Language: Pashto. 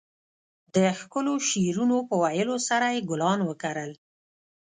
د ښکلو شعرونو په ويلو سره يې ګلان وکرل.